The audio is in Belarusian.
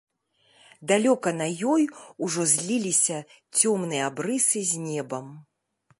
Далёка на ёй ужо зліліся цёмныя абрысы з небам.